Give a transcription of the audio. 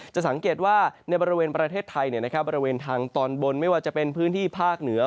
จะสังเกตว่าในบริเวณประเทศไทยบริเวณทางตอนบนไม่ว่าจะเป็นพื้นที่ภาคเหนือ